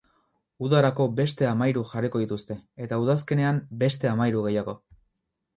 Udarako beste hamahiru jarriko dituzte eta udazkenean beste hamahiru gehiago.